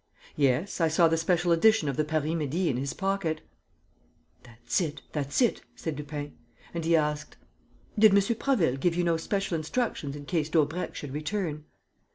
"Yes. I saw the special edition of the Paris Midi in his pocket." "That's it, that's it," said Lupin. And he asked, "Did M. Prasville give you no special instructions in case Daubrecq should return?"